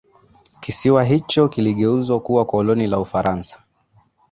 kisiwa hicho kiligeuzwa kuwa koloni la ufaransa